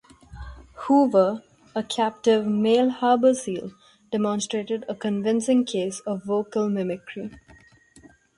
"Hoover", a captive male harbor seal demonstrated a convincing case of vocal mimicry.